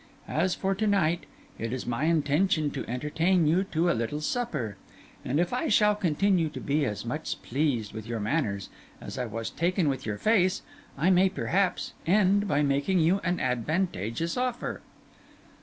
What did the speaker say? As for to night, it is my intention to entertain you to a little supper; and if I shall continue to be as much pleased with your manners as I was taken with your face, I may perhaps end by making you an advantageous offer.